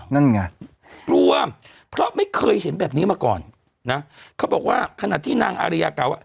นั่นไงกลัวเพราะไม่เคยเห็นแบบนี้มาก่อนนะเขาบอกว่าขณะที่นางอาริยากล่าวว่า